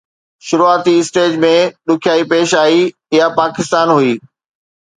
شروعاتي اسٽيج ۾ ڏکيائي پيش آئي، اها پاڪستان هئي